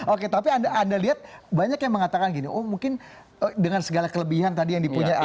oke tapi anda lihat banyak yang mengatakan gini oh mungkin dengan segala kelebihan tadi yang dipunya